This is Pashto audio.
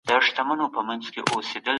هغه وایي چی دا د اقتصادي رفاه ښه والی دی.